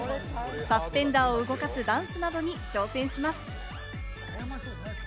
サスペンダーを動かすダンスなどに挑戦します。